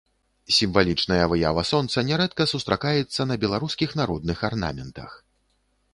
Сімвалічная выява сонца нярэдка сустракаецца на беларускіх народных арнаментах.